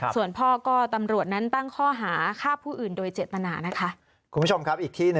ส่วนพ่อก็ตำรวจนั้นตั้งข้อหาฆ่าผู้อื่นโดยเจตนานะคะ